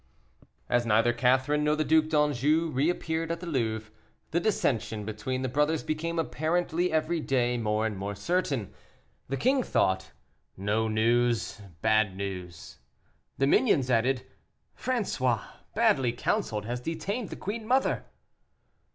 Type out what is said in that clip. As neither Catherine nor the Duc d'Anjou reappeared at the Louvre, the dissension between the brothers became apparently every day more and more certain. The king thought, "No news, bad news." The minions added, "François, badly counseled, has detained the queen mother."